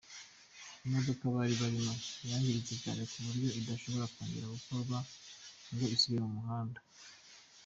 Imodoka bari barimo yangiritse cyane ku buryo idashobora kongera gukorwa ngo isubire mu muhanda.